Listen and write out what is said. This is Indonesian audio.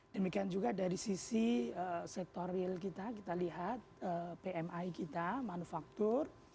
demikian juga dari sisi sektor real kita kita lihat pmi kita manufaktur